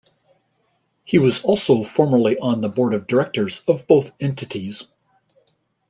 He was also formerly on the Board of Directors of both entities.